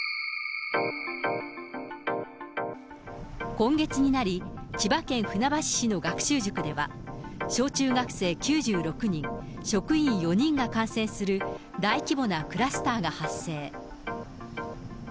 今月になり、千葉県船橋市の学習塾では、小中学生９６人、職員４人が感染する大規模なクラスターが発生。